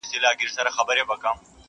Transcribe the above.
په دې ښار كي داسي ډېر به لېونيان وي!!!!!